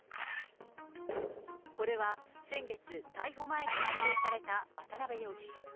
これは先月、逮捕前に撮影された渡辺容疑者。